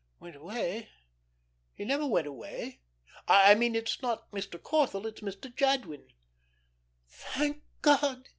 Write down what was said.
"Went away? He never went away. I mean it's not Mr. Corthell. It's Mr. Jadwin." "Thank God!"